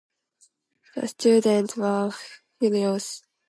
The students were furious.